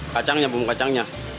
kacangnya bumbu kacangnya